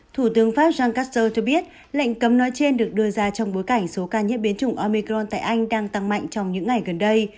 thủ tướng pháp jan casser cho biết lệnh cấm nói trên được đưa ra trong bối cảnh số ca nhiễm biến chủng omicron tại anh đang tăng mạnh trong những ngày gần đây